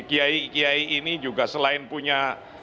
kiai kiai ini juga selain punya